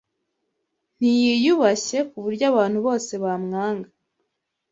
Ntiyiyubashye kuburyo abantu bose bamwanga.